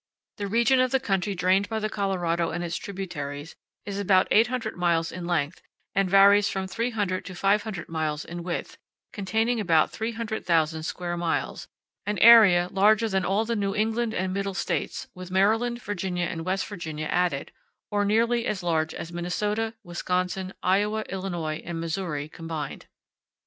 The region of country drained by the Colorado and its tributaries is about 800 miles in length and varies from 300 to 500 miles in width, containing about 300,000 square miles, an area larger than all the New England and Middle States with Maryland, Virginia and West Virginia added, or nearly as large as Minnesota, Wisconsin, Iowa, Illinois, and Missouri combined.